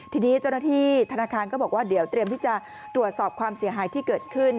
ทีนี้เจ้าหน้าที่ธนาคารก็บอกว่าเดี๋ยวเตรียมที่จะตรวจสอบความเสียหายที่เกิดขึ้น